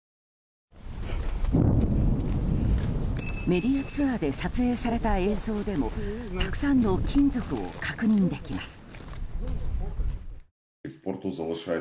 メディアツアーで撮影された映像でもたくさんの金属を確認できます。